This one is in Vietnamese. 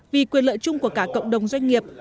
vì quyền lợi chung của cả cộng đồng doanh nghiệp